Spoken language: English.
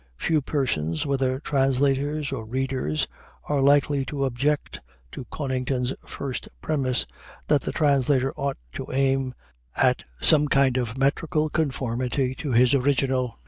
Few persons, whether translators or readers, are likely to object to Conington's first premise that the translator ought to aim at "some kind of metrical conformity to his original."